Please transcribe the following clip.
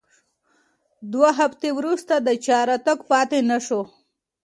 دوه هفتې وروسته د چا راتګ پاتې نه شو.